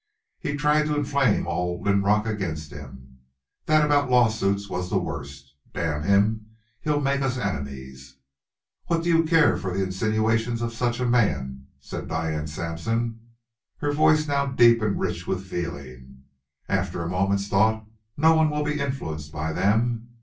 He tried to inflame all Linrock against him. That about law suits was the worst! Damn him! He'll make us enemies." "What do you care for the insinuations of such a man?" said Diane Sampson, her voice now deep and rich with feeling. "After a moment's thought no one will be influenced by them.